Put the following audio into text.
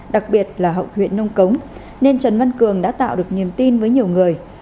đặc biệt là hậu huyện nông cống nên trần văn cường đã tạo được niềm tin với nhiều người